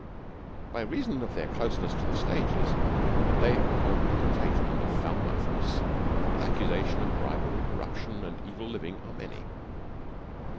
By reason of their closeness to the Stages they have caught the contagion of foul mouthedness, and accusations of bribery, corruption, and evil living are many.